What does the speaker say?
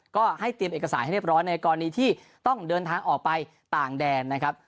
ก็ให้เตรียมเอกสารให้เรียบร้อยในกรณีที่ต้องเดินทางออกไปต่างแดนนะครับ